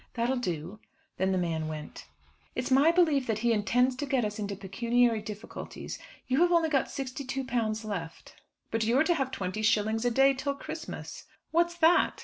That'll do." Then the man went. "It's my belief that he intends to get us into pecuniary difficulties. You have only got £62 left." "But you are to have twenty shillings a day till Christmas." "What's that?"